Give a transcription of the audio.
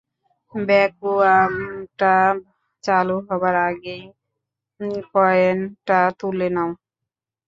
ভ্যাকুয়ামটা চালু হবার আগেই কয়েনটা তুলে নাও।